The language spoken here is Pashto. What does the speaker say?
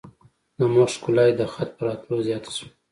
د مخ ښکلا دي د خط په راتلو زیاته شوه.